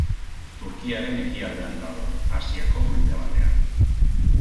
Turkiaren ekialdean dago, Asiako mendebaldean.